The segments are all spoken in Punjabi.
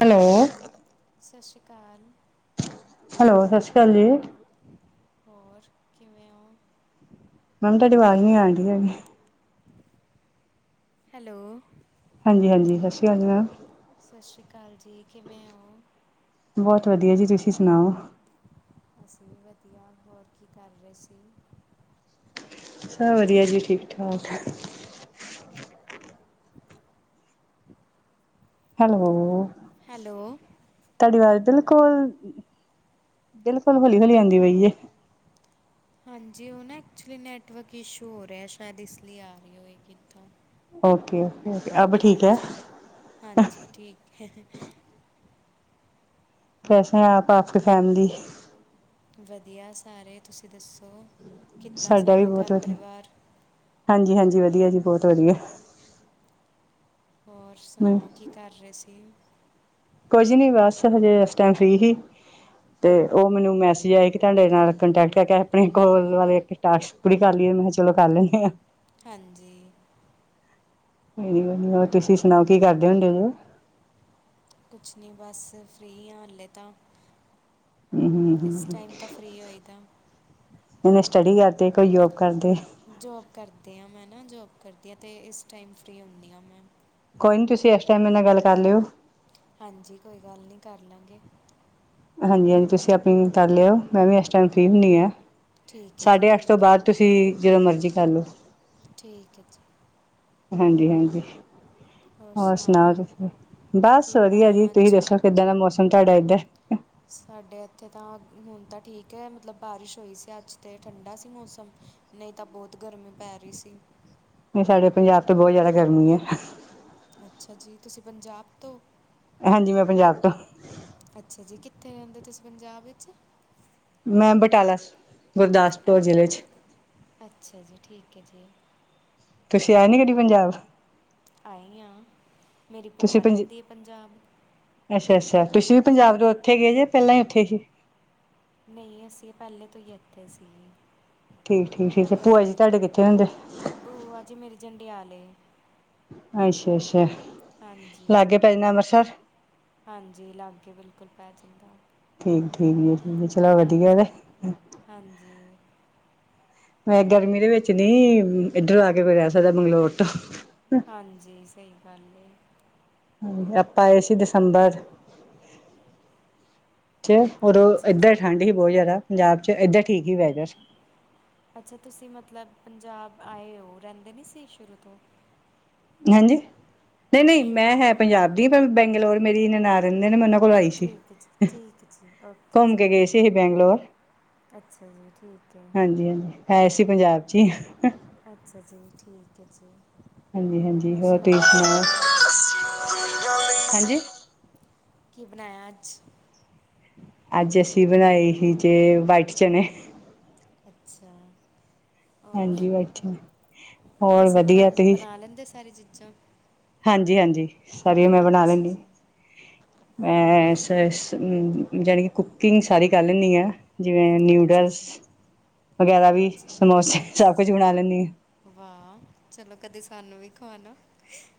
ਹੈਲੋ। ਸਤਿ ਸ਼੍ਰੀ ਅਕਾਲ। ਹੈਲੋ, ਸਤਿ ਸ਼੍ਰੀ ਅਕਾਲ ਜੀ। ਹੋਰ ਕਿਵੇਂ ਹੋ? ਮੈਮ ਤੁਹਾਡੀ ਆਵਾਜ਼ ਨੀ ਆਉਂਦੀ ਹੈਗੀ। ਹੈਲੋ। ਹਾਂਜੀ- ਹਾਂਜੀ ਸਤਿ ਸ਼੍ਰੀ ਅਕਾਲ ਮੈਮ। ਸਤਿ ਸ਼੍ਰੀ ਅਕਾਲ ਜੀ ਕਿਵੇਂ ਹੋ? ਬਹੁਤ ਵਧੀਆ ਜੀ ਤੁਸੀਂ ਸੁਣਾਓ ਅਸੀਂ ਵੀ ਵਧੀਆ ਹੋਰ ਕੀ ਕਰ ਰਹੇ ਸੀ ਸਭ ਵਧੀਆ ਜੀ ਠੀਕ ਠਾਕ ਹੈਲੋ ਹੈਲੋ ਤੁਹਾਡੀ ਆਵਾਜ਼ ਨਾ ਬਿਲਕੁਲ, ਬਿਲਕੁਲ ਹੌਲੀ- ਹੌਲੀ ਆਉਂਦੀ ਪਈਏ ਹਾਂਜੀ, ਉਹ ਨਾ ਐਕਚੁਲੀ ਨੈਟਵਰਕ ਇਸ਼ੂ ਹੋ ਰਿਹਾ ਸ਼ਾਇਦ ਇਸ ਲਈ ਆ ਰਹੀ ਹੋਏ ਕਿੱਥਾਂ ਓਕੇ ਓਕੇ ਅਬ ਠੀਕ ਹੈ ਹਾਂਜੀ- ਹਾਂਜੀ ਠੀਕ ਹੈ ਕੈਸੇ ਹੈ ਆਪ ਆਪ ਕੇ ਫੈਮਲੀ ਵਧੀਆ ਸਾਰੇ ਤੁਸੀਂ ਦੱਸੋ, ਕਿੱਦਾਂ ਸਾਡਾ ਵੀ ਸਾਰਾ ਬਹੁਤ ਘਰ ਵਧੀਆ ਪਰਿਵਾਰ ਹਾਂਜੀ -ਹਾਂਜੀ ਵਧੀਆ ਜੀ ਬਹੁਤ ਵਧੀਆ ਹੋਰ ਸੁਣਾਓ ਕੀ ਕਰ ਰਹੇ ਸੀ ਕੁਝ ਨਹੀ ਬਸ ਹਜੇ ਇਸ ਟਾਈਮ ਫ੍ਰੀ ਸੀ ਤੇ ਉਹ ਮੈਨੂੰ ਮੈਸੇਜ ਆਏ ਕਿ ਤੁਹਾਡੇ ਨਾਲ ਕੰਟਰੈਕਟ ਕਰਕੇ ਆਪਣੇ ਕੋਲ ਵਾਲੇ ਟਾਕਸ ਹੁਣੀ ਕਰ ਲਈਏ ਮੈਂ ਕਿਹਾ ਚਲੋ ਕਰ ਲੈਂਦੇ ਆਂ ਹਾਂਜੀ ਕੋ ਨ ਕੋ ਨੀ ਹੋਰ ਤੁਸੀਂ ਸੁਣਾਓ ਕੀ ਕਰਦੇ ਹੁੰਦੇ ਉਹ ਕੁਛ ਨਹੀਂ ਬਸ, ਫ੍ਰੀ ਹਾਂ ਹੱਲੇ ਤਾਂ ਹੂੰ ਹੂੰ ਇਸ ਟਾਈਮ ਤਾਂ ਫ੍ਰਰੀ ਹੋਈਦਾ ਜਨੇ ਸਟੱਡੀ ਕਰਦੇ ਕੋਈ ਯੋਗ ਕਰਦੇ ਜੋਬ ਕਰਦੀ ਹਾਂ ਮੈਂ ਨਾ ਜੋਬ ਕਰਦੀ ਹਾਂ ਅਤੇ ਇਸ ਟਾਈਮ ਫਰੀ ਹੁੰਦੀ ਹਾਂ ਮੈਂ ਕੋਈ ਨੀ ਤੁਸੀਂ ਇਸ ਟਾਈਮ ਮੇਰੇ ਨਾਲ ਗੱਲ ਕਰ ਲਿਓ ਹਾਂਜੀ ਕੋਈ ਗੱਲ ਨਹੀ ਕਰ ਲਵਾਂਗੇ ਹਾਂਜੀ, ਹਾਂਜੀ ਤੁਸੀਂ ਆਪਣੀ ਕਰ ਲਿਓ ਮੈਂ ਵੀ ਇਸ ਟਾਈਮ ਫ੍ਰੀ ਹੁੰਦੀ ਹਾਂ ਠੀਕ ਹੈ ਜੀ ਸਾਢੇ ਅੱਠ ਤੋਂ ਠੀਕ ਹੈ ਬਾਅਦ ਤੁਸੀਂ ਜਦੋਂ ਮਰਜ਼ੀ ਕਰ ਲਓ ਠੀਕ ਹੈ ਜੀ ਹਾਂਜੀ -ਹਾਂਜੀ ਹੋਰ ਸੁਣਾਓ ਤੁਸੀਂ, ਕੀ ਬਸ ਵਧੀਆ ਜੀ ਬਣਾਇਆ ਤੁਸੀਂ ਅੱਜ ਦੱਸੋ ਕਿੱਦਾਂ ਦਾ ਮੌਸਮ ਤੁਹਾਡੇ ਇਧਰ ਹੈ ਸਾਡੇ ਇੱਥੇ ਤਾਂ ਹੁਣ ਤਾਂ ਠੀਕ ਹੈ ਮਤਲਬ ਬਾਰਿਸ਼ ਹੋਈ ਸੀ ਅੱਜ ਤਾਂ ਠੰਡਾ ਸੀ ਮੌਸਮ ਨਹੀਂ ਤਾਂ ਬਹੁਤ ਗਰਮੀ ਪੈ ਰਹੀ ਸੀ ਨਹੀਂ ਸਾਡੇ ਪੰਜਾਬ ਤੇ ਬਹੁਤ ਜਿਆਦਾ ਗਰਮੀ ਹੈ ਅੱਛਾ ਜੀ ਤੁਸੀਂ ਪੰਜਾਬ ਤੋਂ ਹਾਂਜੀ ਮੈਂ ਪੰਜਾਬ ਤੋਂ ਅੱਛਾ ਜੀ ਕਿੱਥੇ ਰਹਿੰਦੇ ਤੁਸੀ ਪੰਜਾਬ ਵਿੱਚ ਮੈਂ ਬਟਾਲਾ ਅ ਗੁਰਦਾਸਪੁਰ ਜ਼ਿਲ੍ਹੇ 'ਚ ਅੱਛਾ ਜੀ ਠੀਕ ਹੈ ਜੀ ਤੁਸੀਂ ਆਏ ਨੀ ਕਦੀ ਪੰਜਾਬ ਆਏ ਹਾਂ ਮੇਰੀ ਭੂਆ ਰਹਿੰਦੀ ਹੈ ਪੰਜਾਬ ਅੱਛਾ, ਅੱਛਾ ਤੁਸੀਂ ਵੀ ਪੰਜਾਬ ਤੋਂ ਹਾਂਜੀ ਉੱਥੇ ਗਏ ਜੇ ਪਹਿਲਾਂ ਹੀ ਉੱਥੇ ਸੀ ਨਹੀਂ ਅਸੀਂ ਪਹਿਲੇ ਤੋਂ ਹੀ ਇੱਥੇ ਸੀ ਠੀਕ -ਠੀਕ- ਠੀਕ ਭੂਆ ਜੀ ਹਰਿਆਣੇ ਤੁਹਾਡੇ ਦੇ ਕਿੱਥੇ ਰਹਿੰਦੇ ਭੂਆ ਜੀ ਮੇਰੇ ਜੰਡਿਆਲੇ ਅੱਛਾ, ਅੱਛਾ ਹਾਂਜੀ ਲਾਗੇ ਪੈ ਜਾਣਾ ਅੰਮ੍ਰਿਤਸਰ ਹਾਂਜੀ, ਲਾਗੇ ਬਿਲਕੁਲ ਪੈ ਜਾਂਦਾ ਠੀਕ- ਠੀਕ ਜੀ ਚਲੋ ਵਧੀਆ ਤੇ ਹਾਂਜੀ ਹਾਂਜੀ ਮੈਂ ਗਰਮੀ ਦੇ ਵਿੱਚ ਨੀ, ਇੱਧਰ ਆ ਕੇ ਕੋਈ ਰਹਿ ਸਕਦਾ ਬੰਗਲੋਰ ਤੋਂ ਹਾਂਜੀ ਸਹੀ ਗੱਲ ਹਾਂ ਆਪਾਂ ਆਏ ਸੀ ਦਸੰਬਰ ਉਦੋ ਅੱਛਾ ਏਧਰ ਜੀ ਠੰਢ ਹੀ ਬਹੁਤ ਜ਼ਿਆਦਾ। ਪੰਜਾਬ ਚ ਇਧਰ ਠੀਕ ਹੀ ਵੈਦਰ। ਅੱਛਾ। ਤੁਸੀਂ ਮਤਲਬ ਪੰਜਾਬ ਆਏ ਹੋ ਰਹਿੰਦੇ ਨਹੀਂ ਸੀ ਸ਼ੁਰੂ ਤੋਂ। ਹਾਂਜੀ। ਨਹੀਂ- ਨਹੀਂ ਸ਼ੁਰੂ ਮੈਂ ਹੈ ਪੰਜਾਬ ਦੀ, ਪਰ ਬੈਂਗਲੋਰ ਮੇਰੀ ਨਨਾਨ ਰਹਿੰਦੇ ਨੇ ਮੈਂ ਉਹਨਾਂ ਕੋਲੋਂ ਆਈ। ਠੀਕ ਹੈ ਜੀ ਠੀਕ ਹੈ ਜੀ ਓਕੇ ਘੁੰਮ ਜੀ ਕੇ ਗਏ ਸੀ ਹੀ ਬੈਂਗਲੋਰ। ਅੱਛਾ ਜੀ, ਠੀਕ ਹੈ। ਹਾਂਜੀ- ਹਾਂਜੀ ਹੈ ਅਸੀ ਪੰਜਾਬ 'ਚ ਹੀ। ਅੱਛਾ ਜੀ, ਠੀਕ ਹੈ ਜੀ। ਹਾਂਜੀ- ਹਾਂਜੀ ਹੋਰ ਤੁਸੀਂ ਸੁਣਾਓ? ਹਾਂਜੀ। ਕੀ ਬਣਾਇਆ ਅੱਜ। ਅੱਜ ਅਸੀਂ ਬਣਾਈ ਸੀ ਜੇ, ਵਾਈਟ ਚਨੇ। ਅੱਛਾ। ਹੋਰ ਹਾਂਜੀ ਵਾਈਟ ਚਨੇ ਹੋਰ ਤੁਸੀਂ ਬਣਾ, ਵਧੀਆ ਤੁਸੀਂ ਬਣਾ ਲੈਂਦੇ ਸਾਰੀ ਚੀਜ਼ਾਂ। ਹਾਂਜੀ -ਹਾਂਜੀ ਸਾਰਿਆਂ ਮੈਂ ਬਣਾ ਅੱਛਾ ਲੈਂਦੀ ਹ। ਜੀ ਐ ਅੱਛਾ-ਅੱਛਾ। ਜਾਣੀ ਕਿ ਕੁਕਿੰਗ ਸਾਰੀ ਗੱਲ ਨੀ ਆ। ਜਿਵੇਂ ਅੱਛਾ ਨਿਊਡਲਸ ਜੀ ਵਗੈਰਾ ਵੀ, ਅੱਛਾ ਸਮੋਸੇ ਅੱਛਾ ਸਭ ਕੁਝ ਬਣਾ ਲੈਂਦੀ ਹਾਂ। ਵਾਹ! ਚਲੋ ਕਦੇ ਸਾਨੂੰ ਵੀ ਖਵਾ ਨਾ।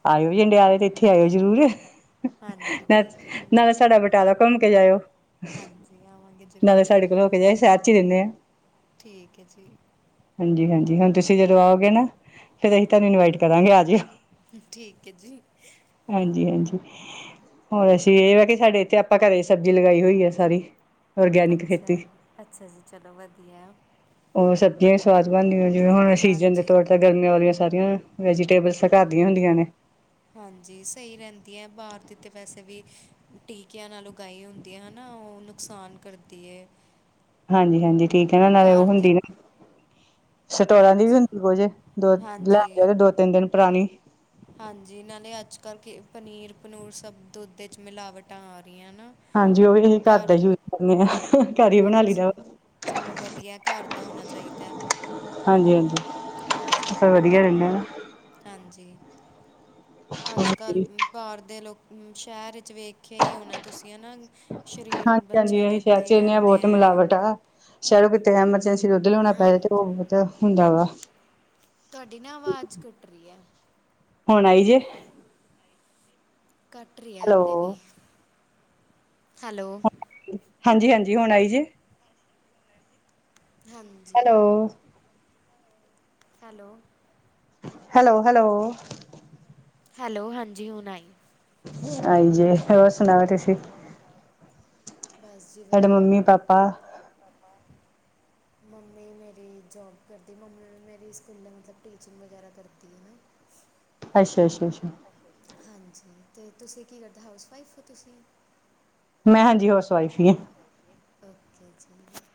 ਆਇਓ ਜਾਡੇਿਆਲੇ ਤੇ ਇੱਥੇ ਆਇਓ ਜਰੂਰ। ਹਾਂਜੀ ਠੀਕ ਹੈ ਜੀ ਨਾਲੇ ਸਾਡਾ ਬਟਾਲਾ ਘੁੰਮ ਕੇ ਜਾਇਓ। ਹਾਂਜੀ ਆਵਾਂਗੇ ਨਾਲੇ ਜ਼ਰੂਰ ਸਾਡੇ ਕੋਲ ਹੋ ਕੇ ਜਾਉ ਸ਼ਹਿਰ ਚ ਹੀ ਦਿੰਦੇ ਆ। ਠੀਕ ਹੈ ਜੀ। ਹਾਂਜੀ -ਹਾਂਜੀ ਹੁਣ ਤੁਸੀਂ ਜਦੋਂ ਆਓਗੇ ਨਾ। ਫੇਰ ਅਸੀਂ ਤੁਹਾਨੂੰ ਹਾਂਜੀ ਇਨਵਾਈਟ ਕਰਾਂਗੇ ਆ ਜਿਓ। ਠੀਕ ਹੈ ਜੀ। ਹਾਂਜੀ- ਹਾਂਜੀ ਹੋਰ ਅਸੀਂ ਇਹ ਵਾ ਕਿ ਸਾਡੇ ਇੱਥੇ ਆਪਾਂ ਘਰੇ ਸਬਜ਼ੀ ਲਗਾਈ ਹੋਈ ਆ ਸਾਰੀ। ਔਰਗੈਨਿਕ ਅੱਛਾ। ਖੇਤੀ ਅੱਛਾ ਜੀ ਚਲੋ ਵਧੀਆ। ਉਹ ਸਬਜ਼ੀਆਂ ਵੀ ਸਵਾਦ ਬਣਦੀਆਂ। ਜਿਵੇਂ ਹੁਣ ਸੀਜਨ ਦੇ ਹਾਂਜੀ ਤੌਰ ਤੇ ਗਰਮੀਆਂ ਵਾਲੀਆਂ ਸਾਰੀਆਂ ਵੈਜੀਟੇਬਲ ਤਾਂ ਘਰ ਦੀਆਂ ਹੁੰਦੀਆਂ ਨੇ। ਹਾਂਜੀ। ਸਹੀ ਰਹਿੰਦੀ ਹੈ ਬਾਹਰ ਦੀ ਤਾਂ ਵੈਸੇ ਵੀ ਟੀਕਿਆਂ ਨਾਲ ਉਗਾਈ ਹੁੰਦੀਆਂ ਹੈ ਨਾ। ਉਹਨੂੰ ਨੁਕਸਾਨ ਕਰਦੀ ਹੈ। ਹਾਂਜੀ -ਹਾਂਜੀ ਠੀਕ ਹੈ ਨਾ ਨਾਲੇ ਉਹ ਘਰ ਦੀ ਹੁੰਦੀ ਨਾ। ਸਟੋਰਾਂ ਦੀ ਵੀ ਹਾਂਜੀ ਹੁੰਦੀ। ਕੁਝੇ ਦੋ ਲੈਣ ਹਾਂਜੀ ਜਾਗੇ ਦੋ- ਤਿੰਨ ਦਿਨ ਪੁਰਾਣੀ ਹਾਂਜੀ। ਨਾਲੇ ਅੱਜ ਕੱਲ੍ਹ ਕੀ ਪਨੀਰ- ਪਨੂਰ ਸਭ ਦੁੱਧ ਵਿੱਚ ਮਿਲਾਵਟਾਂ ਆ ਰਹੀਆਂ ਨਾ। ਹਾਂਜੀ। ਉਹ ਵੀ ਅਸੀਂ ਘਰ ਦਾ ਹੀ ਯੂਜ ਕਰੇ ਹਾਂ। ਘਰ ਹੀ ਬਣਾ ਲਈ ਦਾ ਅੱਛਾ ਵਾ। ਚਲੋ ਵਧੀਆ ਘਰ ਦਾ ਹੋਣਾ ਚਾਹੀਦਾ। ਹਾਂਜੀ- ਹਾਂਜੀ ਹਾਂਜੀ ਫੇਰ ਵਧੀਆ ਰਹਿੰਦੇ ਹ। ਹਾਂਜੀ। ਅੱਜ ਕੱਲ੍ਹ ਬਾਹਰ ਦੇ ਲੋਕ ਸ਼ਹਿਰ ਵਿੱਚ ਵੇਖਿਆ ਹੀ ਉਹਣਾ। ਤੁਸੀਂ ਆ ਨਾ। ਸਰੀਰ ਹਾਂਜੀ ਬੱਚਿਆਂ ਹਾਂਜੀ ਦੇ ਏਦਾਂ ਹੀ ਰਹਿੰਦੇ ਹੈ। ਸ਼ਹਿਰੋ ਕਿਤੇ ਐਮਰਜੈਂਸੀ ਦੁੱਧ ਲਿਆਉਣਾ ਪੈ ਜਾ ਤੇ ਹਾਂਜੀ ਉਹ ਬਹੁਤ ਹੁੰਦਾ ਵਾ। ਤੁਹਾਡੀ ਨਾ ਆਵਾਜ਼ ਕੱਟ ਰਹੀ ਹੈ। ਹੋੁਣ ਆਈ ਜੇ। ਘੱਟ ਰਿਹਾ ਹਾਲੇ ਹੈਲੋ ਵੀ ਹੈਲੋ ਹਾਂਜੀ- ਹਾਂਜੀ ਹੁਣ ਆਈ ਜੇ। ਹਾਂਜੀ। Hello hello, hello- hello, hello, ਹਾਂਜੀ ਹੁਣ ਆਈ। ਆਈ ਜੇ ਹੋਰ ਸੁਣਾਓ ਤੁਸੀ ਸੁਣਾ [unintelligible] [unintelligible] ਸਾਡੇ ਮੰਮੀ ਪਾਪਾ ਮੰਮੀ ਮੇਰੀ ਜੋਬ ਕਰਦੀ। ਮੰਮੀ ਮੇਰੀ ਸਕੂਲ ਮਤਲਬ ਟੀਚਿੰਗ ਵਗੈਰਾ ਕਰਦੀ ਹੈ। ਅੱਛਾ ਅੱਛਾ ਅੱਛਾ ਹਾਂਜੀ ਅਤੇ ਤੁਸੀਂ ਕੀ ਕਰਦੇ ਹਾਊਸਵਾਾਈਫ ਹੋ ਤੁਸੀਂ ਮੈਂ ਹਾਂਜੀ ਹਾਊਸ ਵਾਈਫ ਹੀ ਹ ਜਚੀ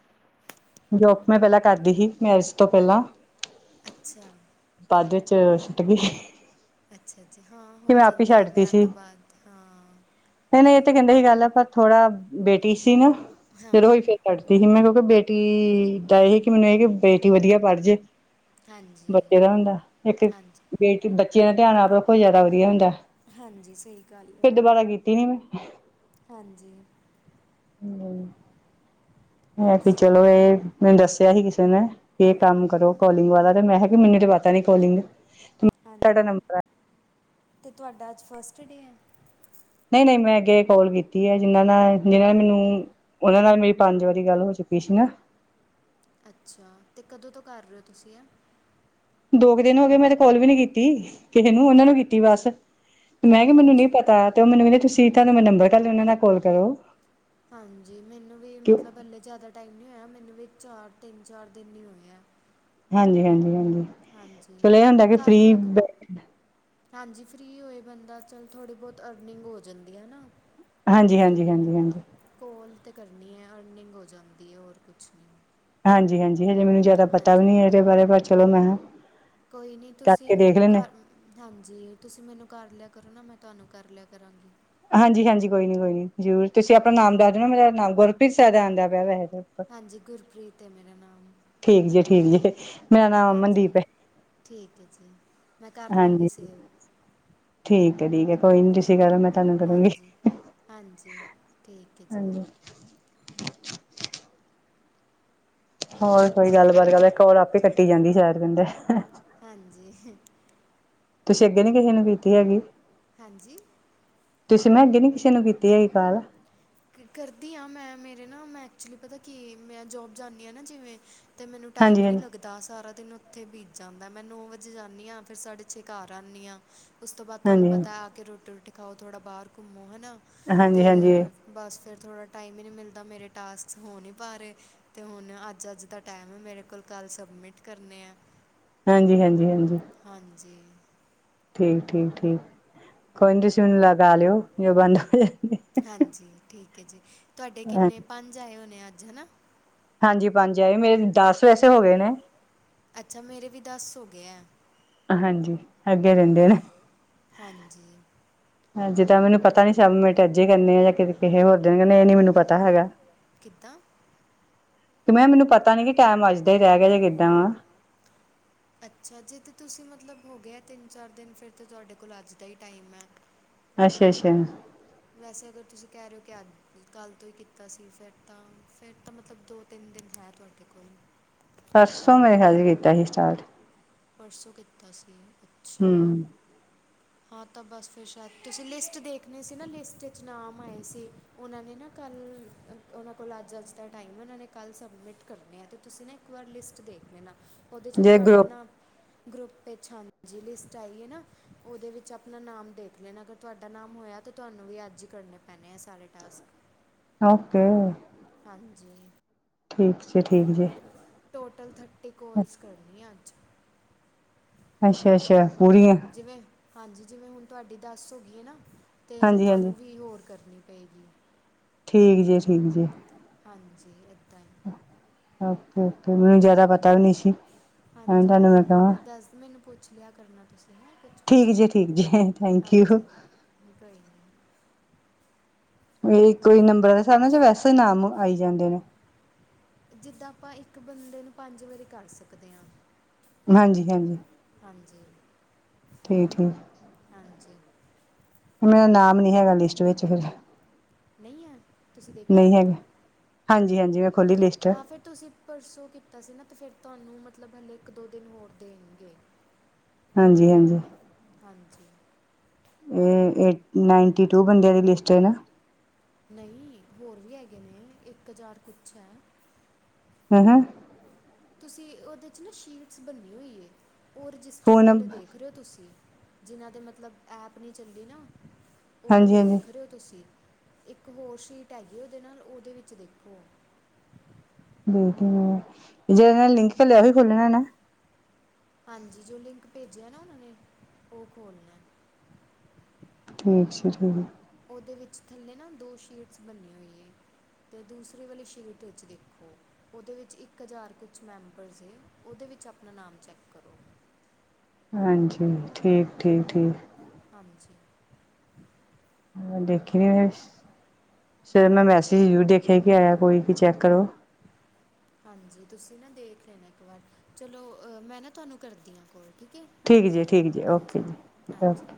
ਜੋਬ ਮੈਂ ਪਹਿਲਾਂ ਕਰਦੀ ਸੀ ਮੈਰਿਜ ਤੋਂ ਪਹਿਲਾਂ ਅੱਛਾ ਬਾਅਦ ਵਿੱਚ ਸੁੱਟ ਗਈ ਅੱਛਾ ਅੱਛੀ ਹਾਂ ਕਿ ਹੋ ਮੈਂ ਆਪ ਹੀ ਜਾਂਦਾ ਛੱਡਤੀ ਵਿਆਹ ਤੋਂ ਸੀ ਬਾਅਦ ਹਾਂ ਨਹੀਂ ਨਹੀਂ ਇਹ ਤੇ ਕਹਿੰਦੇ ਹੀ ਗੱਲ ਆ ਪਰ ਥੋੜਾ ਬੇਟੀ ਸੀ ਨਾ ਹਾਂ ਜਦੋਂਹੀ ਫ ਪੜਦੀ ਸੀ ਮੈਂ ਕਿਉਂਕਿ ਬੇਟੀ ਦਾ ਇਹ ਕਿ ਮੈਨੂੰ ਇਹ ਕਿ ਬੇਟੀ ਵਧੀਆ ਪੜ੍ਹ ਜੇ ਹਾਂਜੀ ਬੱਚੇ ਦਾ ਹੁੰਦਾ ਇੱਕ ਹਾਂਜੀ ਬੱਚਿਆਂ ਦਾ ਧਿਆਨ ਆਪ ਰੱਖੋ, ਜ਼ਿਆਦਾ ਵਧੀਆ ਹੁੰਦਾ। ਹਾਂਜੀ ਸਹੀ ਗੱਲ ਹੈ ਫਿਰ ਦੁਬਾਰਾ ਕੀਤੀ ਨੀ ਮੈਂ, ਹਾਂਜੀ, ਹੈ ਹੋਰ ਵੀ ਚਲੋ ਸੁਣਾਓ ਇਹ ਮੈਨੂੰ ਦੱਸਿਆ ਹੀ ਕਿਸੇ ਨੇ, ਇਹ ਕੰਮ ਕਰੋ ਕੋਾਲਿੰਗ ਵਾਲਾ ਤੇ ਮੈਂ ਕਿਹਾਗੀ ਮੈਨੂੰ ਤੇ ਪਤਾ ਨੀ ਕੋਲਿੰਗ, ਹਾਂਜੀ ਤੁਹਾਡਾ ਨੰਬਰ ਆ ਅਤੇ ਤੁਹਾਡਾ ਅੱਜ ਫਸਟ ਡੇ ਹੈ, ਨਹੀਂ ਨਹੀਂ ਮੈਂ ਅੱਗੇ ਕੋਾਲ ਕੀਤੀ ਹੈ ਜਿੰਨਾਂ ਨਾਲ ਜਿਹਨਾਂ ਨੇ ਮੈਨੂੰ ਉਹਨਾਂ ਨਾਲ ਮੇਰੀ ਪੰਜ ਵਾਰੀ ਗੱਲ ਹੋ ਚੁੱਕੀ ਸੀ ਨਾ, ਅੱਛਾ ਅਤੇ ਕਦੋਂ ਤੋਂ ਕਰ ਰਹੇ ਹੋ ਤੁਸੀਂ ਹੈ। ਦੋ ਕੁ ਦਿਨ ਹੋ ਗਏ ਮੇਰੇ ਕੋਲ ਵੀ ਨੀ ਕੀਤੀ ਕਿਸੇ ਨੂੰ ਉਹਨਾਂ ਨੂੰ ਕੀਤੀ ਬਸ ਮੈਂ ਕਿਹਾ ਮੈਨੂੰ ਅੱਛਾ ਨਹੀਂ ਪਤਾ ਤੇ ਉਹ ਮੈਨੂੰ ਕਹਿੰਦੇ ਤੁਸੀਂ ਇਥਾਂ ਮੇਰਾ ਨੰਬਰ ਕਰ ਲ ਉਹਨਾਂ ਨਾਲ ਕਾਲ ਕਰੋ। ਹਾਂਜੀ ਮੈਨੂੰ ਵੀ ਕਿ ਮਤਲਬ ਹੱਲੇ ਜ਼ਿਆਦਾ ਟਾਈਮ ਨਹੀਂ ਹੋਇਆ ਮੈਨੂੰ ਵੀ ਚਾਰ ਤਿੰਨ ਚਾਰ ਦਿਨ ਨਹੀਂ ਹੋਏ ਆ। ਹਾਂਜੀ ਹਾਂਜੀ ਹਾਂਜੀ, ਹਾਂਜੀ ਚਲੋ ਇਹ ਹੁੰਦਾ ਕਿ ਕਰ ਫ੍ਰਰੀ ਲਿਆ ਕੁ ਹਾਂਜੀ ਫ੍ਰਰੀ ਹੋਏ ਬੰਦਾ ਚੱਲ ਥੋੜ੍ਹੀ ਬਹੁਤ ਅਰਨਿੰਗ ਹੋ ਜਾਂਦੀ ਹੈ ਨਾ, ਹਾਂਜੀ ਫੀ ਹਾਂਜੀ ਹਾਂਜੀ ਹਾਂਜੀ ਕੋਲ ਤੇ ਕਰਨੀ ਹੈ, ਅਰਨਿੰਗ ਹੋ ਜਾਂਦੀ ਹੈ ਹੋਰ ਕੁਛ ਨੀ ਹਾਂਜੀ-ਹਾਂਜੀ ਹਜੇ ਮੈਨੂੰ ਪਤਾ ਵੀ ਹਾਂਜੀ ਨੀ ਇਹਦੇ ਬਾਰੇ ਪਰ ਚਲੋ ਮੈਂ ਕੋਈ ਨਹੀਂ ਤੁਸੀਂ ਕਰਕੇ ਦੇਖ ਮੈਨੂੰ ਲੈਂਦੇ। ਕਰ ਹਾਂਜੀ ਤੁਸੀਂ ਮੈਨੂੰ ਕਰ ਲਿਆ ਕਰੋ, ਨਾ ਮੈਂ ਤੁਹਾਨੂੰ ਕਰ ਲਿਆ ਕਰਾਂਗੀ। ਹਾਂਜੀ-ਹਾਂਜੀ ਕੋਈ ਨੀ ਕੋਈ ਨੀ ਜ਼ਰੂਰ ਤੁਸੀਂ ਆਪਣਾ ਨਾਮ ਦੱਸ ਦਿਓ ਮੇਰਾ ਨਾਮ ਗੁਰਪ੍ਰੀਤ ਸਾਹਿਦਾ ਆਂਦਾ ਪਿਆ ਵੈੇ। ਹਾਂਜੀ ਗੁਰਪ੍ਰੀਤ ਹੈ ਮੇਰਾ ਨਾਮ ਠੀਕ ਜੀ ਠੀਕ ਜੀ ਮੇਰਾ ਨਾਮ ਹਾਂਜੀ ਅਮਨਦੀਪ ਹੈ, ਠੀਕ ਹੈ ਜੀ, ਮੈਂ ਕਰ ਲਵਾਂਗੀ ਹਾਂਜੀ ਸੇਵ ਠੀਕ ਹੈ ਠੀਕ ਹੈ ਕੋਈ ਨੀ ਤੁਸੀਂ ਕਰੋ ਮੈਂ, ਤੁਹਾਨੂੰ ਕਰੂੰਗੀ ਹਾਂਜੀ ਹਾਂਜੀ ਠੀਕ ਹੈ ਜੀ। ਹਾਂਜੀ ਹੋਰ ਕੋਈ ਗੱਲਬਤ ਗੱਲੋੜ ਆਪੇ ਕੱਟੀ ਜਾਂਦੀ ਸ਼ਾਇਰ ਕਿੰਦੇ। ਹਾਂਜੀ, ਤੁਸੀਂ ਅੱਗੇ ਨੀ ਕਿਸੇ ਨੂੰ ਕੀਤੀ ਹੈਗੀ। ਹਾਂਜੀ, ਤੁਸੀਂ ਮੈਂ ਅੱਗੇ ਨੀ ਕਿਸੇ ਨੂੰ ਕੀਤੀ ਹੈਗੀ ਕਾਲ ਕਰਦੀ ਹਾਂ ਮੈਂ ਮੇਰੇ ਨਾ ਮੈਂ ਐਕਚੁਲੀ ਪਤਾ ਕਿ ਮੈਂ ਜੋਬ ਜਾਂਦੀ ਹਾਂ ਨਾ ਜਿਵੇਂ, ਤੇ ਮੈਨੂੰ ਟਾਈਮ ਹੀ ਨੀ ਹਾਂਜੀ-ਹਾਂਜੀ ਲਗਦਾ। ਤਾਂ ਸਾਰਾ ਦਿਨ ਉੱਥੇ ਬੀਜ ਜਾਂਦਾ, ਮੈਂ ਨੌ ਵਜੇ ਜਾਂਦੀ ਹਾਂ ਫਿਰ ਸਾਡੇ ਛਕਾਰਰ ਆਉਂਦੀ ਹਾਂ। ਉਸ ਤੋਂ ਬਾਅਦ ਤੁਹਾਨੂੰ ਪਤਾ ਹਾਂਜੀ-ਹਾਂਜੀ ਆ ਕੇ ਰੋਟੀ ਰੋਟੀ ਖਾਓ ਥੋੜ੍ਹਾ ਬਾਹਰ ਘੁੰਮੋ ਹੈ ਨਾ ਅਤੇ ਹਾਂਜੀ-ਹਾਂਜੀ ਬਸ ਫਿਰ ਥੋੜ੍ਹਾ ਟਾਈਮ ਹੀ ਨਹੀਂ ਮਿਲਦਾ, ਮੇਰੇ ਟਾਸਕ ਹੋ ਨਹੀਂ ਪਾ ਰਹੇ। ਅਤੇ ਹੁਣ ਅੱਜ-ਅੱਜ ਦਾ ਟਾਈਮ, ਮੇਰੇ ਕੋਲ-ਕੱਲ੍ਹ ਸਬਮਿਟ ਕਰਨੇ ਆ। ਹਾਂਜੀ ਹਾਂਜੀ ਹਾਂਜੀ ਹਾਂਜੀ, ਠੀਕ-ਠੀਕ-ਠੀਕ, ਕੋਈ ਤੁਸੀਂ ਮਨੂੰ ਲਗਾ ਲਿਓ ਜੋ ਬੰਦ ਹੋ ਜਾਂ, ਹਾਂਜੀ ਠੀਕ ਹੈ, ਜੀ ਤੁਹਾਡੇ ਕਿੰਨੇ ਹਾਂਜੀ ਪੰਜ ਆਏ ਹੋਣੇ ਅੱਜ ਹੈ ਨਾ? ਹਾਂਜੀ ਪੰਜ ਆਏ ਮੇਰੇ ਦਸ ਵੈਸੇ ਹੋ ਗਏ ਨੇ, ਅੱਛਾ, ਮੇਰੇ ਵੀ ਦੱਸ ਹੋਗੇ ਐਂ। ਹਾਂਜੀ, ਅੱਗੇ ਰੈਂਦੇ ਨੇ। ਨੰਬਰ ਹਾਂਜੀ। ਹਾਂਜੀ, ਤਾ ਮੈਨੂੰ ਜਿੱਦਾਂ ਪਤਾ ਨੀ ਨਹੀਂ ਸਬਮਿਟ ਚੱਲ ਅੱਜ ਮੈਂ ਈ ਕਰਨੀ ਚਾਚੇ ਏ ਯਾ ਕਿ ਜਾਂ ਕਿਸੇ ਕਿਸ ਹੋਰ ਕਿਵੇਂ ਦਿਨ ਹੋ ਕਰਨੀ ਏ, ਏ ਨੀ ਜਾਂਦੇ ਨੇ ਮੈਨੂੰ ਉਹ ਨਹੀਂ ਪਤਾ ਹੈਗਾ। ਕਿੱਦਾਂ? ਕਿ ਮੈਂ ਤੇ ਮੈਨੂੰ ਪਤਾ ਨੀ ਕਿ ਨਹੀਂ ਟੈਮ ਅੱਜ ਦਾ ਟਾਈਮ ਈ ਰੈ ਆਈਦਾ ਗਾ ਯਾ ਰਹਿ ਗਿਆ ਕਿੱਦਾ ਜਾਂ ਕਿੱਦਾਂ ਵਾ। ਅੱਛਾ, ਜੇ ਤੇ ਤੁਸੀ ਮਤਲਬ ਹੋ ਗਿਆ ਤਿੰਨ-ਚਾਰ ਦਿਨ ਫੇਰ ਤਾ ਤੁਆਡੇ ਕੋਲ ਅੱਜ ਦਾ ਈ ਟਾਈਮ ਐ। ਅੱਛਾ ਅੱਛਾ ਵੈਸੇ ਅਗਰ ਤੁਸੀ ਕੈ ਰੇ ਓ ਕਿ ਅੱਜ-ਕੱਲ ਤੋ ਈ ਕੀਤਾ ਸੀ। ਫੇਰ ਤਾ ਫਿਰ ਤਾ ਮਤਲਬ ਦੋ-ਤਿੰਨ ਦਿਨ ਹੈ ਤੁਆਡੇ ਕੋਲ ਪਰਸੋਂ ਮੇਰੇ ਖਿਆਲ ਚ ਕੀਤਾ ਸੀ ਸਟਾਰਟ ਪਰਸੋ ਕੀਤਾ ਸੀ, ਅੱਛਾ ਹਮ ਹਾਂ, ਤਾਂ ਬਸ ਫੇਰ ਸ਼ਾਇਦ ਤੁਸੀ ਲਿਸਟ ਦੇਖਨੀ ਸੀ ਨਾ, ਲਿਸਟ ਚ ਨਾਮ ਆਏ ਸੀ। ਉਹਨਾਂ ਨੇ ਨਾ ਕੱਲ, ਉਹਨਾਂ ਕੋਲ ਅੱਜ-ਅੱਜ ਦਾ ਟਾਈਮ ਐ, ਉਹਨਾਂ ਨੇ ਕੱਲ ਸਬਮਿਟ ਕਰਨੇ ਆ ਤੇ ਤੁਸੀ ਨਾ ਇੱਕ ਵਾਰ ਲਿਸਟ ਦੇਖ ਲੈਨਾ, ਉਹਦੇ ਚ ਜੇ ਤੁਹਾਡਾ ਗਰੁੱਪ ਨਾਮ ਗਰੁੱਪ ਚ ਹਾਂਜੀ ਲਿਸਟ ਆਈ ਏ ਨਾ, ਓਦੇ ਵਿੱਚ ਅਪਨਾ ਨਾਮ ਦੇਖ ਲੇਨਾ, ਅਗਰ ਤੁਹਾਡਾ ਨਾਮ ਹੋਇਆ ਤੇ, ਤੁਹਾਨੂੰ ਵੀ ਅੱਜ ਕਰਨੇ ਪੈਨੇ ਆ ਸਾਰੇ ਟਾਸਕ। ਓਕੇ। ਹਾਂਜੀ। ਠੀਕ ਜੀ, ਠੀਕ ਜੀ। ਟੋਟਲ ਥਰਟੀ, ਕੋਲਸ ਕਰਨੀ ਐ ਅੱਜ। ਅੱਛਾ- ਅੱਛਾ, ਪੂਰੀਆਂ ਜਿਵੇਂ ਹਾਂਜੀ, ਜਿਵੇਂ ਹੁਣ ਤੁਹਾਡੀ ਦੱਸ ਹੋ ਗਈ ਐ ਨਾ ਤੇ, ਹਾਂਜੀ ਹਾਂਜੀ ਤੁਹਨੂੰ ਵੀਹ ਹੋਰ ਕਰਨੀ ਪਏਗੀ। ਠੀਕ ਜੀ, ਠੀਕ ਜੀ। ਹਾਂਜੀ, ਏਦਾਂ ਐ। ਓਕੇ -ਓਕੇ, ਮੈਨੂੰ ਜਿਆਦਾ ਪਤਾ ਵੀ ਨੀ ਸੀ। ਐਵੇਂ ਹਾਂਜੀ, ਤੁਹਾਨੂੰ ਕੋਈ ਨੀ, ਕਵਾਂ ਮੈਂ ਦੱਸ, ਮੈਨੂੰ ਪੁੱਛ ਲਿਆ ਕਰਨਾ ਤੁਸੀ, ਹੈਂ ਠੀਕ ਜੀ -ਠੀਕ ਜੀ, ਥੈਂਕ ਯੂ। ਕੋਈ ਨੀ। ਵਈ ਕੋਈ ਨੰਬਰਾਂ ਦੇ ਹਿਸਾਬ ਨਾਲ, ਯਾ ਵੈਸੇ ਈ ਨਾਮ ਆਈ ਜਾਂਦੇ ਨੇ? ਜਿੱਦਾਂ, ਆਪਾਂ ਇੱਕ ਬੰਦੇ ਨੂੰ, ਪੰਜ ਵਾਰੀ ਕਰ ਸਕਦੇ ਆਂ। ਹਾਂਜੀ-ਹਾਂਜੀ। ਹਾਂਜੀ। ਠੀਕ-ਠੀਕ। ਹਾਂਜੀ। ਮੇਰਾ ਨਾਮ ਨੀ ਹੈਗਾ, ਲਿਸਟ ਵਿੱਚ ਫੇਰ ਨਹੀਂ ਹੈ ਤੁਸੀਂ ਦੇਖਿਆ ਨਹੀਂ ਹੈਗਾ, ਹਾਂਜੀ-ਹਾਂਜੀ, ਮੈਂ ਖੋਲੀ ਲਿਸਟ ਤੁਸੀ ਪਰਸੋ ਕੀਤਾ ਸੀ ਨਾ, ਤੇ ਫੇਰ ਤੁਹਨੂੰ ਮਤਲਬ, ਹਲੇੇ ਇੱਕ-ਦੋ ਦਿਨ ਹੋਰ ਦੇਣਗੇ। ਹਾਂਜੀ- ਹਾਂਜੀ। ਹਾਂਜੀ। ਏ ਏਟ, ਨਾਈਂਟੀ ਟੂ ਬੰਦਿਆਂ ਦੀ ਲਿਸਟ ਏ, ਨਾ? ਨਹੀਂ, ਹੋਰ ਵੀ ਹੈਗੇ ਨੇ, ਇੱਕ ਹਜ਼ਾਰ ਕੁਛ ਹੈ। ਹੂੰ-ਹੂੰ ਤੁਸੀ ਓਦੇ ਚ ਨਾ, ਸ਼ੀਟਸ ਬਨੀ ਹੋਈ ਏ, ਓ ਰਜਿਸਟਰਡ ਫੋਨ ਨੰ ਵਾਲੇ ਦੇਖ ਰਹੇ ਹੋ ਤੁਸੀ। ਜਿਨਾਂ ਦੇ ਮਤਲਬ, ਐਪ ਨੀ ਚੱਲੀ ਨਾ, ਓ ਹਾਂਜੀ ਵਾਲੇ ਹਾਂਜੀ ਦੇਖ ਰਹੇ ਹੋ। ਤੁਸੀ, ਇੱਕ ਹੋਰ ਸ਼ੀਟ ਹੈਗੀ ਏ, ਉਹਦੇ ਨਾਲ, ਓਹਦੇ ਵਿੱਚ ਦੇਖੋ [inaudible] ਹਾਂਜੀ, ਜੋ ਲਿੰਕ ਭੇਜਿਆ ਨਾ ਉਹਨਾਂ ਨੇ, ਉਹ ਖੋਲਨੈ। ਠੀਕ ਜੀ, ਠੀਕ। ਓਦੇ ਵਿੱਚ ਥੱਲੇ ਨਾ, ਦੋ ਸ਼ੀਟਸ ਬਨੀਆਂ ਹੋਈਆਂ। ਤੇ ਦੂਸਰੇ ਵਾਲੀ, ਸ਼ੀਟ ਵਿੱਚ ਦੇਖੋ। ਉਹਦੇ ਵਿੱਚ ਇੱਕ ਹਜ਼ਾਰ ਕੁਛ ਮੈਂਬਰਸ ਨੇ। ਉਹਦੇ ਵਿੱਚ ਆਪਣਾ ਨਾਮ ਚੈਕ ਕਰੋ। ਹਾਂਜੀ, ਠੀਕ -ਠੀਕ, ਠੀਕ। ਹਾਂਜੀ। ਮੈਂ ਦੇਖਿਆ, ਸਵੇਰ ਨਾ ਮੈਸੇਜ ਜ਼ਰੂਰ ਦੇਖਿਆ, ਕਿ ਆਇਆ ਕੋਈ, ਕਿ ਚੈੱਕ ਕਰੋ। ਹਾਂਜੀ, ਤੁਸੀਂ ਨਾ ਦੇਖ ਲੈਣਾ ਇੱਕ ਵਾਰ, ਚਲੋ ਮੈਂ ਨਾ ਤੁਹਾਨੂੰ ਕਰਦੀ ਹਾਂ ਕੌਲ, ਠੀਕ ਹੈ। ਠੀਕ ਜੀ -ਠੀਕ ਜੀ, ਓਕੇ ਹਾਂਜੀ ਜੀ, ਹਾਂਜੀ ਓਕੇ।